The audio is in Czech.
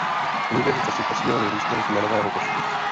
V průběhu času posílili růstem kmenového počtu.